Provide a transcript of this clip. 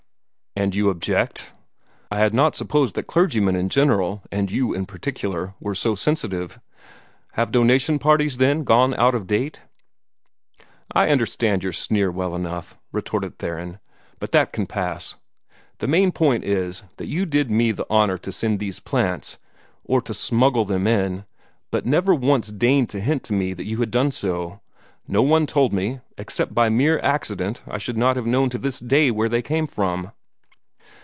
"And you object? I had not supposed that clergymen in general and you in particular were so sensitive. Have donation parties, then, gone out of date?" "I understand your sneer well enough," retorted Theron, "but that can pass. The main point is, that you did me the honor to send these plants or to smuggle them in but never once deigned to hint to me that you had done so. No one told me. Except by mere accident, I should not have known to this day where they came from."